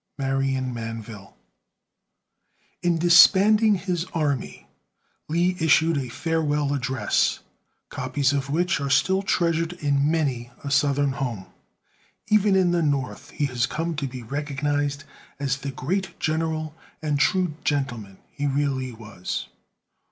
MARION MANVILLE. In disbanding his army, Lee issued a farewell address, copies of which are still treasured in many a Southern home. Even in the North, he has come to be recognized as the great general and true gentleman he really was.